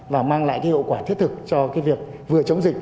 và mang lại cái hiệu quả thiết thực cho cái việc vừa chống dịch